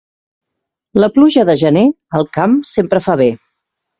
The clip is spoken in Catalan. La pluja de gener, al camp sempre fa bé.